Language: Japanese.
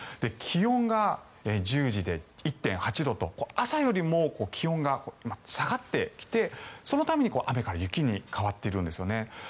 気温が１０時で１．８度と朝よりも気温が下がってきてそのために雨から雪に変わっているんですよね。